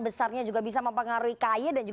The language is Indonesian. besarnya juga bisa mempengaruhi kaye dan juga